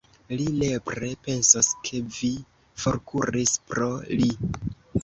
Li nepre pensos, ke vi forkuris pro li!